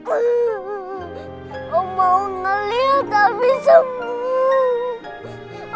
om mau ngeliat ami sembuh